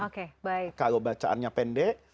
oke baik kalau bacaannya pendek